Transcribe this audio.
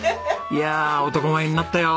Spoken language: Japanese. いや男前になったよ。